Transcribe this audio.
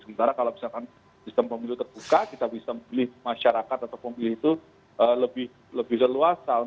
sementara kalau misalkan sistem pemilu terbuka kita bisa memilih masyarakat atau pemilih itu lebih leluasa